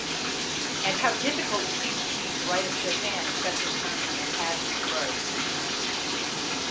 And how difficult it seems to be to write of Chopin except in terms of impassioned prose!